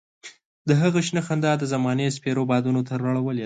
د هغه شنه خندا د زمانې سپېرو بادونو تروړلې وه.